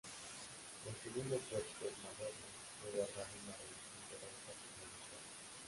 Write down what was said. El segundo cuerpo es moderno, no guardando una relación correcta con el inferior.